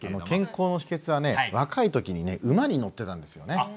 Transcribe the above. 健康の秘けつはね若い時にね馬に乗ってたんですよね。